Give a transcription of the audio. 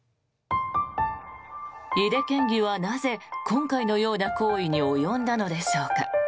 井手県議はなぜ、今回のような行為に及んだのでしょうか。